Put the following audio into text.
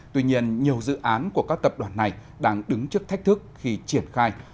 tuy nhiên nhiều dự án của các tập đoàn này đang đứng trước thách thức khi triển khai